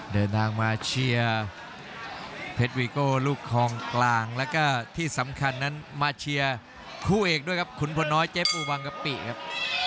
เดินทางมาเชียร์เพชรวีโก้ลูกคลองกลางแล้วก็ที่สำคัญนั้นมาเชียร์คู่เอกด้วยครับขุนพลน้อยเจ๊ปูบังกะปิครับ